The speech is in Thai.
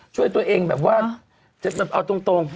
ช่วยตัวเองแบบว่าเอาตรง